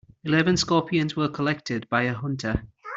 Eleven scorpions were collected by a hunter.